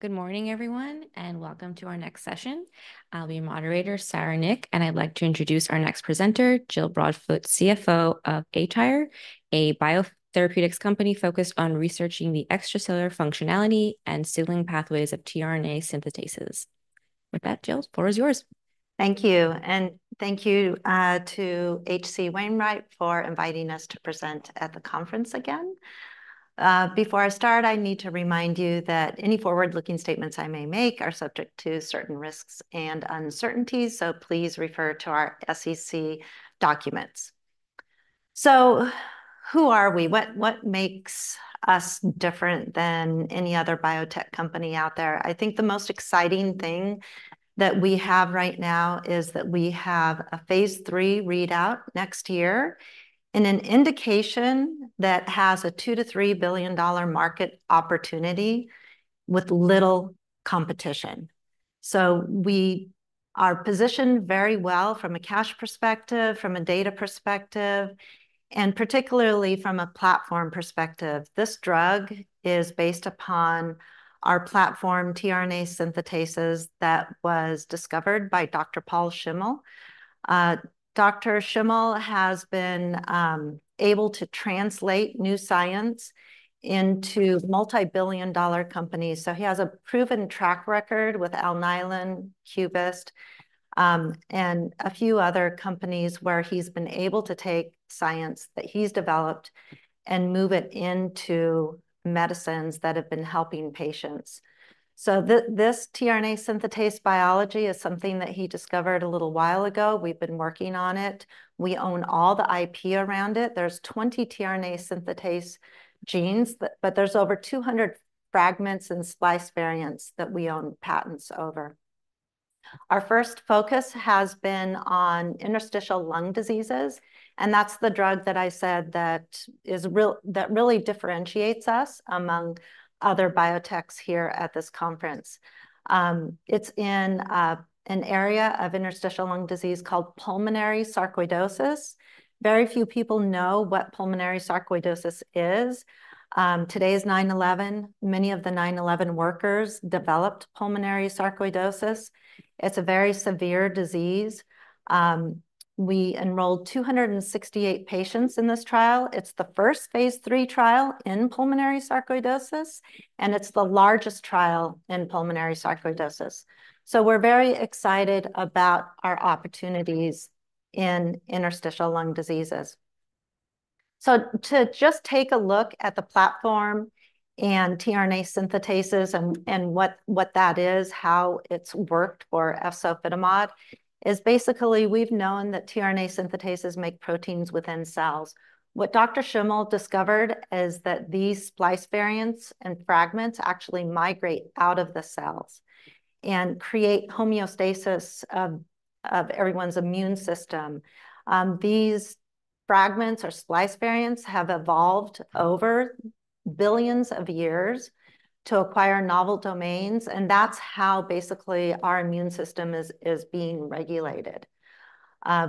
Good morning, everyone, and welcome to our next session. I'll be your moderator, Sarah Nik, and I'd like to introduce our next presenter, Jill Broadfoot, CFO of aTyr, a biotherapeutics company focused on researching the extracellular functionality and signaling pathways of tRNA synthetases. With that, Jill, the floor is yours. Thank you, and thank you, to H.C. Wainwright for inviting us to present at the conference again. Before I start, I need to remind you that any forward-looking statements I may make are subject to certain risks and uncertainties, so please refer to our SEC documents. So who are we? What makes us different than any other biotech company out there? I think the most exciting thing that we have right now is that we have a phase III readout next year and an indication that has a $2-3 billion market opportunity with little competition. So we are positioned very well from a cash perspective, from a data perspective, and particularly from a platform perspective. This drug is based upon our platform, tRNA synthetases, that was discovered by Dr. Paul Schimmel. Dr. Schimmel has been able to translate new science into multi-billion dollar companies, so he has a proven track record with Alnylam, Cubist, and a few other companies, where he's been able to take science that he's developed and move it into medicines that have been helping patients. So this tRNA synthetase biology is something that he discovered a little while ago. We've been working on it. We own all the IP around it. There's 20 tRNA synthetase genes but there's over 200 fragments and splice variants that we own patents over. Our first focus has been on interstitial lung diseases, and that's the drug that I said that really differentiates us among other biotechs here at this conference. It's in an area of interstitial lung disease called pulmonary sarcoidosis. Very few people know what pulmonary sarcoidosis is. Today is 9/11. Many of the nine eleven workers developed pulmonary sarcoidosis. It's a very severe disease. We enrolled 268 patients in this trial. It's the first phase III trial in pulmonary sarcoidosis, and it's the largest trial in pulmonary sarcoidosis. We're very excited about our opportunities in interstitial lung diseases. To just take a look at the platform and tRNA synthetases and what that is, how it's worked for efzofitimod, is basically we've known that tRNA synthetases make proteins within cells. What Dr. Schimmel discovered is that these splice variants and fragments actually migrate out of the cells and create homeostasis of everyone's immune system. These fragments or splice variants have evolved over billions of years to acquire novel domains, and that's how basically our immune system is being regulated.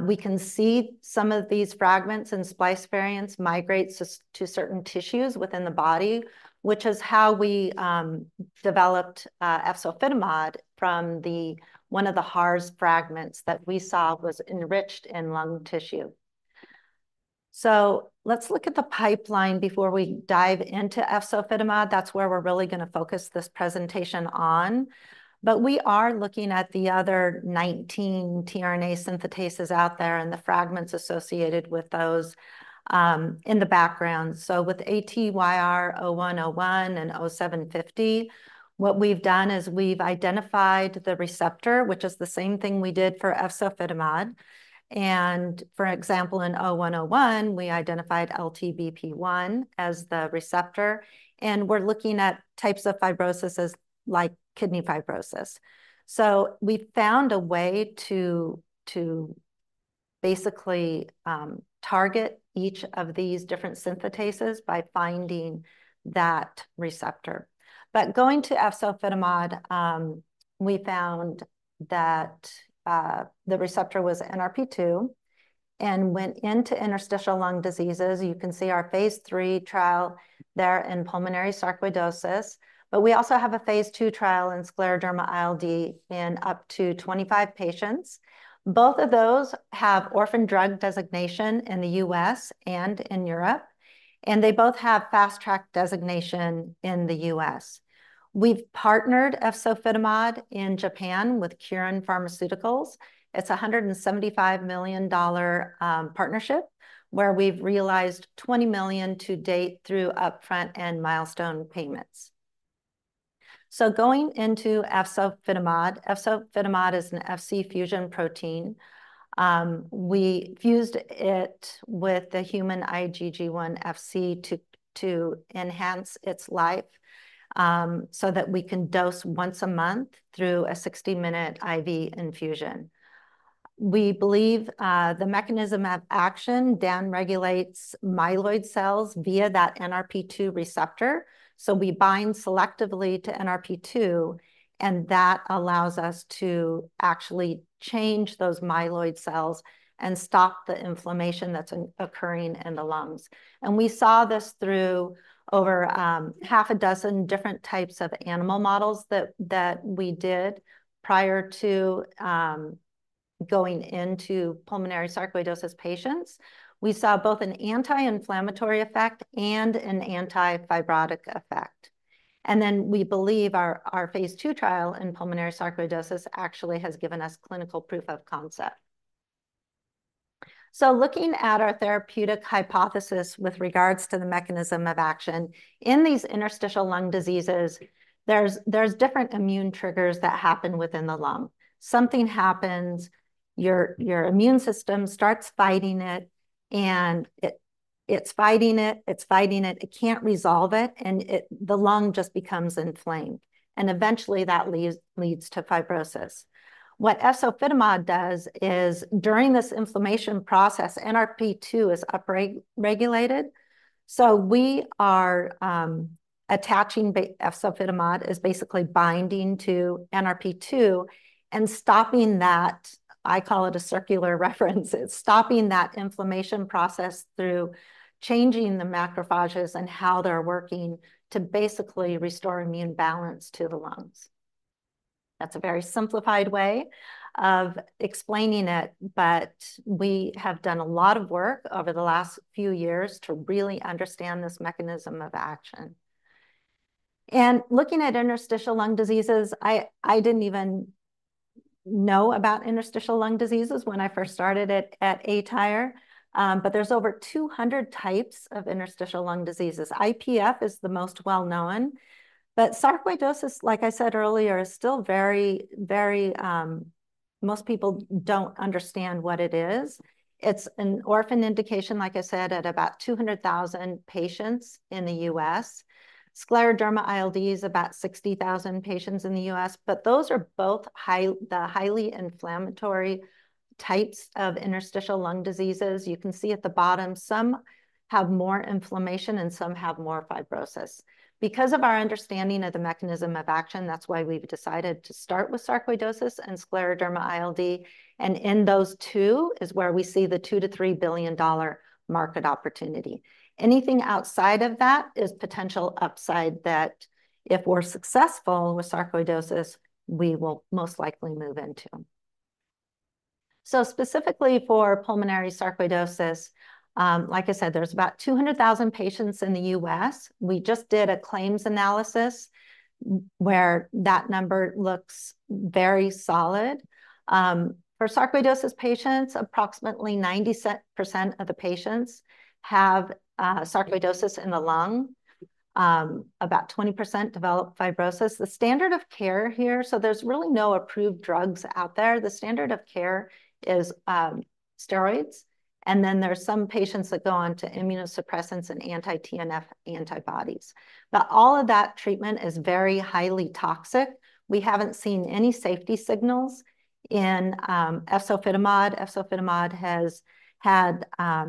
We can see some of these fragments and splice variants migrate to certain tissues within the body, which is how we developed efzofitimod from the one of the HARS fragments that we saw was enriched in lung tissue. So let's look at the pipeline before we dive into efzofitimod. That's where we're really gonna focus this presentation on, but we are looking at the other nineteen tRNA synthetases out there and the fragments associated with those in the background. So with ATYR0101 and ATYR0750, what we've done is we've identified the receptor, which is the same thing we did for efzofitimod, and for example, in ATYR0101, we identified LTBP1 as the receptor, and we're looking at types of fibroses, like kidney fibrosis. We found a way to basically target each of these different synthetases by finding that receptor. But going to efzofitimod, we found that the receptor was NRP2 and went into interstitial lung diseases. You can see our phase 3 trial there in pulmonary sarcoidosis, but we also have a phase II trial in scleroderma ILD in up to 25 patients. Both of those have orphan drug designation in the U.S. and in Europe, and they both have Fast Track designation in the U.S. We've partnered efzofitimod in Japan with Kyorin Pharmaceuticals. It's a $175 million partnership, where we've realized $20 million to date through upfront and milestone payments. So going into efzofitimod, efzofitimod is an Fc fusion protein. We fused it with the human IgG1 Fc to enhance its life, so that we can dose once a month through a sixty-minute IV infusion. We believe the mechanism of action down-regulates myeloid cells via that NRP2 receptor, so we bind selectively to NRP2 and that allows us to actually change those myeloid cells and stop the inflammation that's occurring in the lungs. We saw this through over half a dozen different types of animal models that we did prior to going into pulmonary sarcoidosis patients. We saw both an anti-inflammatory effect and an anti-fibrotic effect. And then we believe our phase two trial in pulmonary sarcoidosis actually has given us clinical proof of concept. So looking at our therapeutic hypothesis with regards to the mechanism of action, in these interstitial lung diseases, there's different immune triggers that happen within the lung. Something happens, your immune system starts fighting it, and it's fighting it, it's fighting it, it can't resolve it, and the lung just becomes inflamed, and eventually, that leads to fibrosis. What efzofitimod does is, during this inflammation process, NRP2 is up-regulated. So efzofitimod is basically binding to NRP2 and stopping that. I call it a circular reference. It's stopping that inflammation process through changing the macrophages and how they're working to basically restore immune balance to the lungs. That's a very simplified way of explaining it, but we have done a lot of work over the last few years to really understand this mechanism of action. Looking at interstitial lung diseases, I didn't even know about interstitial lung diseases when I first started at aTyr, but there's over 200 types of interstitial lung diseases. IPF is the most well-known, but sarcoidosis, like I said earlier, is still very, very. Most people don't understand what it is. It's an orphan indication, like I said, at about 200,000 patients in the U.S. Scleroderma ILD is about 60,000 patients in the U.S., but those are both the highly inflammatory types of interstitial lung diseases. You can see at the bottom, some have more inflammation, and some have more fibrosis. Because of our understanding of the mechanism of action, that's why we've decided to start with sarcoidosis and scleroderma ILD, and in those two is where we see the $2 billion-$3 billion market opportunity. Anything outside of that is potential upside that, if we're successful with sarcoidosis, we will most likely move into. So specifically for pulmonary sarcoidosis, like I said, there's about 200,000 patients in the U.S. We just did a claims analysis, where that number looks very solid. For sarcoidosis patients, approximately 90% of the patients have sarcoidosis in the lung. About 20% develop fibrosis. The standard of care here, so there's really no approved drugs out there. The standard of care is steroids, and then there are some patients that go on to immunosuppressants and anti-TNF antibodies. But all of that treatment is very highly toxic. We haven't seen any safety signals in efzofitimod. Efzofitimod has had a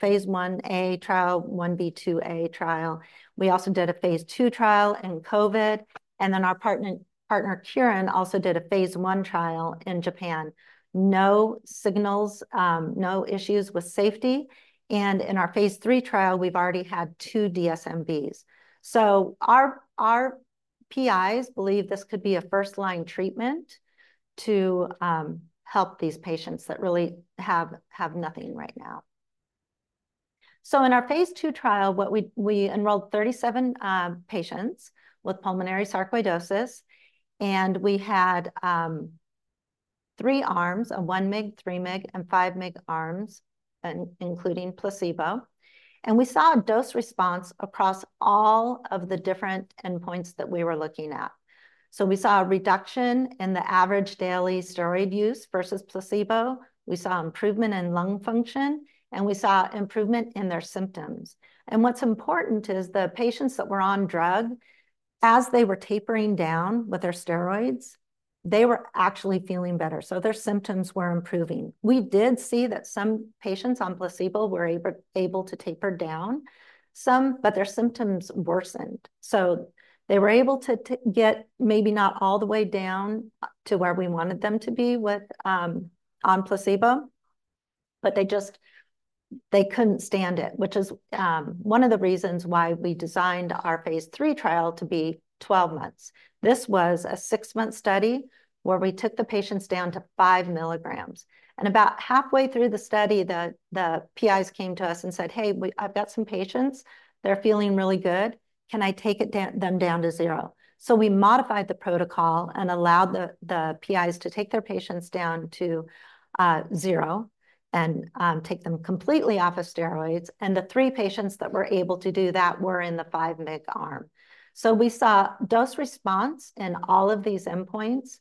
phase I-A, I-B ,II-A trial. We also did a phase II trial in COVID, and then our partner, Kyorin, also did a phase I trial in Japan. No signals, no issues with safety, and in our phase III trial, we've already had two DSMBs. Our PIs believe this could be a first-line treatment to help these patients that really have nothing right now. In our phase II trial, we enrolled 37 patients with pulmonary sarcoidosis, and we had three arms, a one mg, three mg, and five mg arms, including placebo, and we saw a dose response across all of the different endpoints that we were looking at. We saw a reduction in the average daily steroid use versus placebo, we saw improvement in lung function, and we saw improvement in their symptoms. What's important is the patients that were on drug, as they were tapering down with their steroids, they were actually feeling better, so their symptoms were improving. We did see that some patients on placebo were able to taper down some, but their symptoms worsened. So they were able to get maybe not all the way down to where we wanted them to be with on placebo, but they just couldn't stand it, which is one of the reasons why we designed our phase III trial to be twelve months. This was a six-month study where we took the patients down to five milligrams, and about halfway through the study, the PIs came to us and said, "Hey, I've got some patients. They're feeling really good. Can I take it down, them down to zero?" So we modified the protocol and allowed the PIs to take their patients down to zero and take them completely off of steroids, and the three patients that were able to do that were in the five mg arm. So we saw dose-response in all of these endpoints,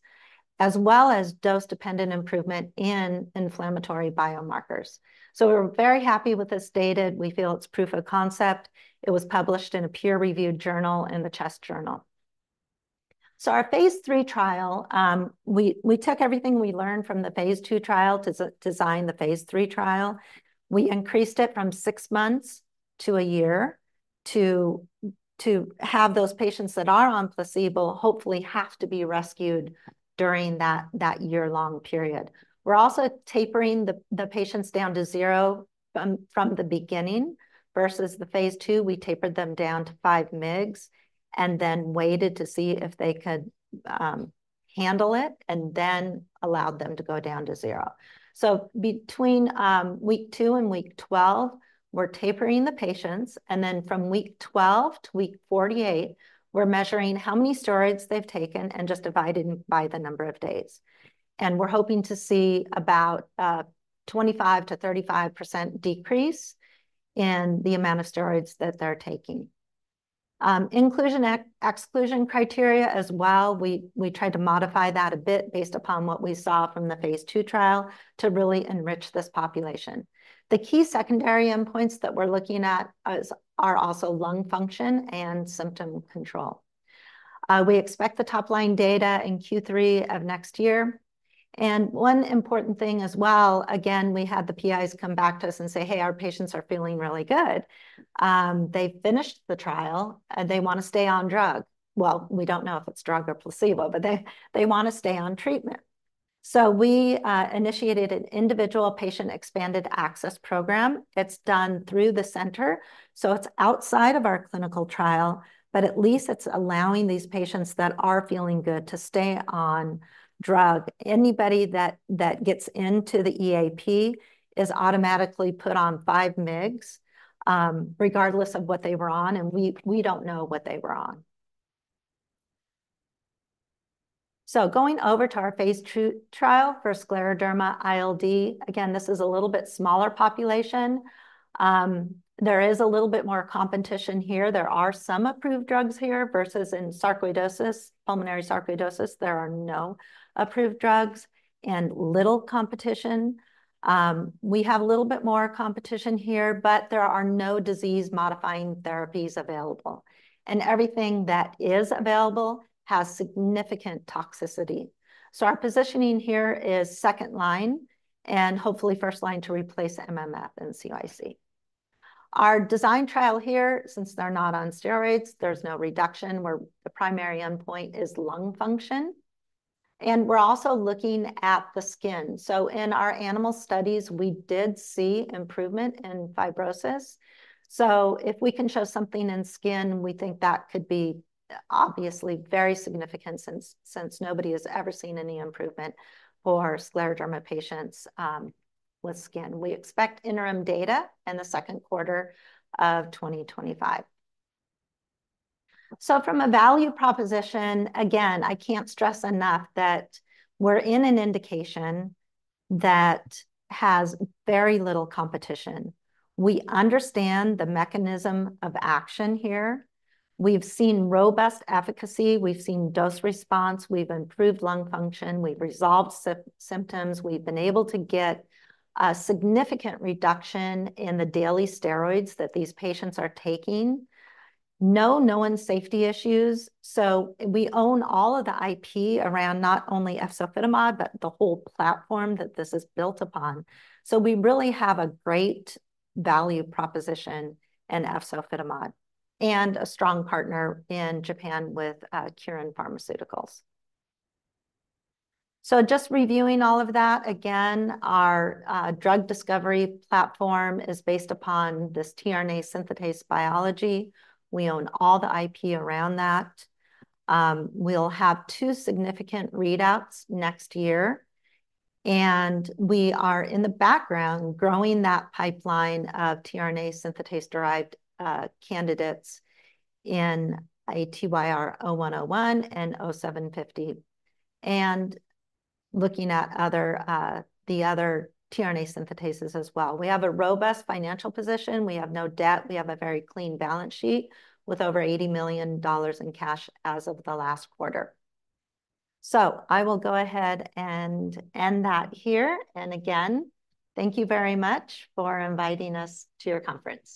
as well as dose-dependent improvement in inflammatory biomarkers. So we're very happy with this data. We feel it's proof of concept. It was published in a peer-reviewed journal, in The Chest Journal. So our phase III trial, we took everything we learned from the phase II trial to design the phase III trial. We increased it from six months to a year to have those patients that are on placebo hopefully have to be rescued during that year-long period. We're also tapering the patients down to zero from the beginning, versus the phase II, we tapered them down to five mgs and then waited to see if they could handle it, and then allowed them to go down to zero. So between week 2 and week 12, we're tapering the patients, and then from week 12 - 48, we're measuring how many steroids they've taken and just dividing by the number of days. And we're hoping to see about a 25%-35% decrease in the amount of steroids that they're taking. Inclusion/exclusion criteria as well, we tried to modify that a bit based upon what we saw from the phase II trial to really enrich this population. The key secondary endpoints that we're looking at are also lung function and symptom control. We expect the top-line data in Q3 of next year. And one important thing as well, again, we had the PIs come back to us and say, "Hey, our patients are feeling really good. They've finished the trial, and they want to stay on drug." Well, we don't know if it's drug or placebo, but they want to stay on treatment. So we initiated an individual patient expanded access program. It's done through the center, so it's outside of our clinical trial, but at least it's allowing these patients that are feeling good to stay on drug. Anybody that gets into the EAP is automatically put on 5 mg, regardless of what they were on, and we don't know what they were on. So going over to our phase two trial for scleroderma ILD, again, this is a little bit smaller population. There is a little bit more competition here. There are some approved drugs here, versus in sarcoidosis, pulmonary sarcoidosis, there are no approved drugs and little competition. We have a little bit more competition here, but there are no disease-modifying therapies available, and everything that is available has significant toxicity, so our positioning here is second line, and hopefully first line to replace MMF and CYC. Our design trial here, since they're not on steroids, there's no reduction, where the primary endpoint is lung function, and we're also looking at the skin, so in our animal studies, we did see improvement in fibrosis, so if we can show something in skin, we think that could be obviously very significant, since nobody has ever seen any improvement for scleroderma patients with skin. We expect interim data in the second quarter of 2025. So from a value proposition, again, I can't stress enough that we're in an indication that has very little competition. We understand the mechanism of action here. We've seen robust efficacy, we've seen dose response, we've improved lung function, we've resolved symptoms, we've been able to get a significant reduction in the daily steroids that these patients are taking. No known safety issues, so we own all of the IP around not only efzofitimod, but the whole platform that this is built upon. So we really have a great value proposition in efzofitimod and a strong partner in Japan with Kyorin Pharmaceuticals. So just reviewing all of that, again, our drug discovery platform is based upon this tRNA synthetase biology. We own all the IP around that. We'll have two significant readouts next year, and we are in the background growing that pipeline of tRNA synthetase-derived candidates in ATYR0101 and ATYR0750, and looking at the other tRNA synthetases as well. We have a robust financial position. We have no debt. We have a very clean balance sheet with over $80 million in cash as of the last quarter. So I will go ahead and end that here. And again, thank you very much for inviting us to your conference.